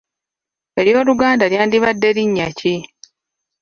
Ery’Oluganda lyandibadde linnya ki?